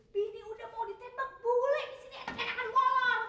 bini udah mau ditembak boleh disini ya kenakan wala